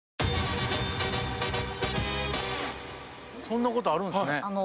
そんなことあるんすね。